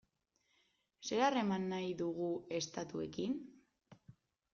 Zer harreman nahi dugu estatuekin?